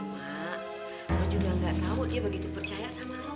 mak lu juga gak tau dia begitu percaya sama rom